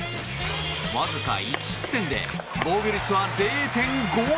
わずか１失点で防御率は０．５１。